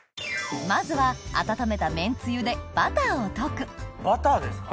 まずは温めためんつゆでバターを溶くバターですか？